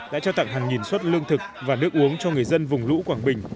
đã trao tặng hàng nghìn suất lương thực và nước uống cho người dân vùng lũ quảng bình